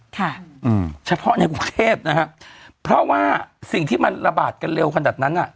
ค่ะอืมเฉพาะในกรุงเทพนะฮะเพราะว่าสิ่งที่มันระบาดกันเร็วขนาดนั้นอ่ะ